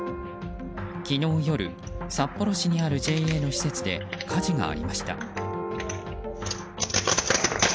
昨日夜、札幌市にあるＪＡの施設で火事がありました。